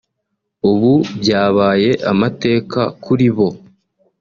ubu byabaye amateka kuri bo